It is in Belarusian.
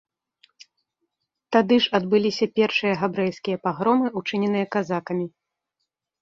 Тады ж адбыліся першыя габрэйскія пагромы, учыненыя казакамі.